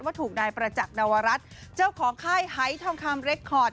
ถูกนายประจักษ์นวรัฐเจ้าของค่ายไฮทองคำเรคคอร์ด